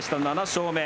７勝目。